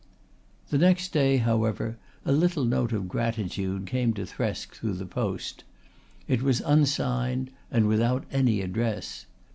The next day, however, a little note of gratitude came to Thresk through the post. It was unsigned and without any address.